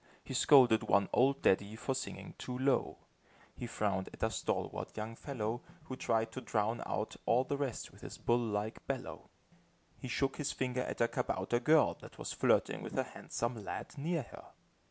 He scolded one old daddy, for singing too low. He frowned at a stalwart young fellow, who tried to drown out all the rest with his bull like bellow. He shook his finger at a kabouter girl, that was flirting with a handsome lad near her.